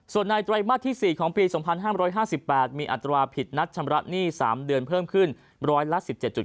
ส่วนในไตรมาสที่๔ของปี๒๕๕๘มีอัตราผิดนัดชำระหนี้๓เดือนเพิ่มขึ้นร้อยละ๑๗